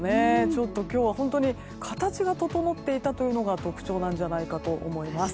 ちょっと今日は本当に形が整っていたというのが特徴なんじゃないかと思います。